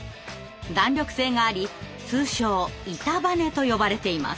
弾力性があり通称「板バネ」と呼ばれています。